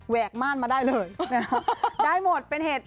กม่านมาได้เลยนะครับได้หมดเป็นเห็ด